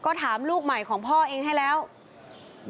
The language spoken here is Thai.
ก็ถามลูกใหม่ของพ่อเองให้แล้วก็ถามลูกใหม่ของพ่อเองให้แล้ว